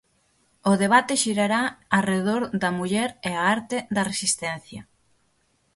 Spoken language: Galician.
O debate xirará arredor da muller e a arte da resistencia.